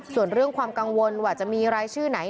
ส่วนเรื่องความกังวลว่าจะมีรายชื่อไหน